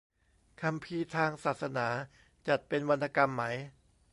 คัมภีร์ทางศาสนาจัดเป็นวรรณกรรมไหม